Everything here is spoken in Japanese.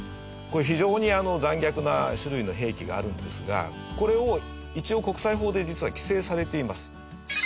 非常に残虐な種類の兵器があるんですがこれを一応国際法で実は規制されています。